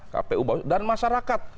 kpu dan masyarakat